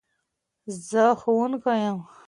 زه ښوونکي يم